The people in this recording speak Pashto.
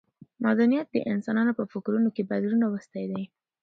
مدنیت د انسانانو په فکرونو کې بدلون راوستی دی.